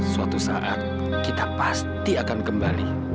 suatu saat kita pasti akan kembali